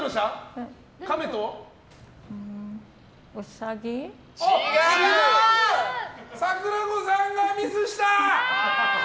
さくらこさんがミスした！